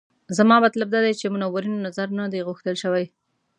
زما مطلب دا دی چې منورینو نظر نه دی غوښتل شوی.